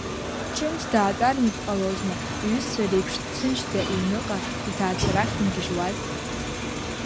Ҿымҭ даатәар митә ҟалозма, иҩызцәа реиԥш дҭынчӡа иҩныҟа, иҭаацәа рахь дымгьежьуаз.